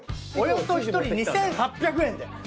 およそ１人２，８００円で。